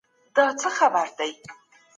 په عام ځای کې شور مه کوئ.